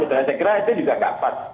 saya kira itu juga gampat